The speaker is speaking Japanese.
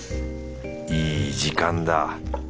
いい時間だ。